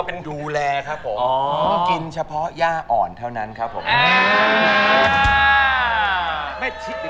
เป็นดูแลครับผม